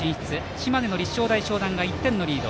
島根の立正大淞南が１点のリード。